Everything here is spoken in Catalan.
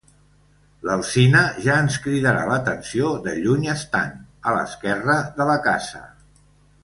L'alzina ja ens cridarà l'atenció de lluny estant, a l'esquerra de la casa.